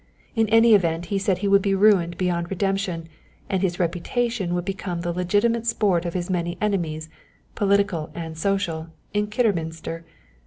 In any event he said he would be ruined beyond redemption, and his reputation would become the legitimate sport of his many enemies, political and social, in Kidderminster.